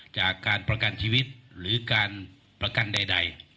จากการประกันชีวิตหรือการประกันใด